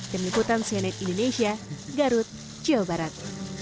dengiputan sianet indonesia garut jawa barat